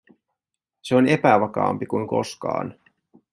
Se on epävakaampi kuin koskaan.